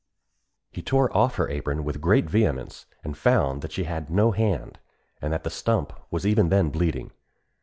He tore off her apron with great vehemence, and found that she had no hand, and that the stump was even then bleeding.